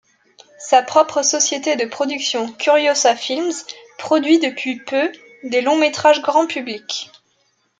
Sa propre société de production Curiosa Films produit depuis peu des longs-métrages grand public.